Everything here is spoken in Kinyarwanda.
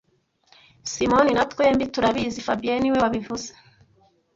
Simoni na twembi turabizi fabien niwe wabivuze